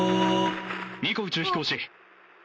「ニコ宇宙飛行士。